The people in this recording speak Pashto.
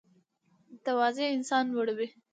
تواضع انسان لوړوي